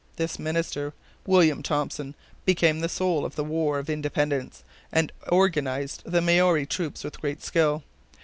This minister, William Thompson, became the soul of the War of Independence, and organized the Maori troops, with great skill.